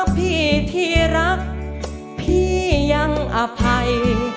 เพราะพี่ที่รักพี่ยังอภัย